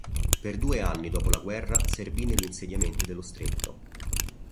Per due anni dopo la guerra servì negli Insediamenti dello Stretto.